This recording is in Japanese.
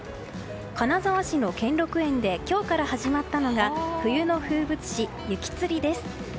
金沢市の兼六園で今日から始まったのが冬の風物詩、雪つりです。